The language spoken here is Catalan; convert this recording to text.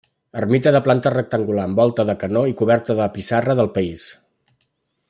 Ermita de planta rectangular amb volta de canó i coberta de pissarra del país.